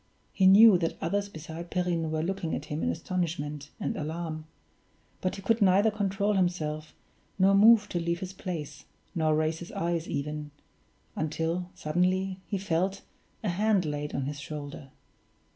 He knew that others besides Perrine were looking at him in astonishment and alarm; but he could neither control himself, nor move to leave his place, nor raise his eyes even until suddenly he felt a hand laid on his shoulder.